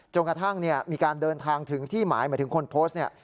กระทั่งมีการเดินทางถึงที่หมายหมายถึงคนโพสต์เนี่ย